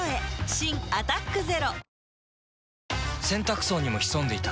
新「アタックＺＥＲＯ」洗濯槽にも潜んでいた。